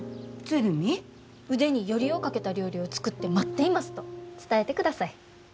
腕によりをかけた料理を作って待っていますと伝えてください。